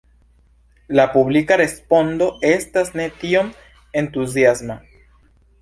La publika respondo estas ne tiom entuziasma.